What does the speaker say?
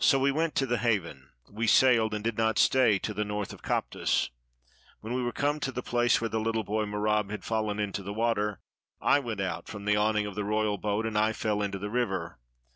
So we went to the haven, we sailed, and did not stay to the north of Koptos. When we were come to the place where the Httle boy Merab had fallen into the water, I went out from the awning of the royal boat, and I fell into the river.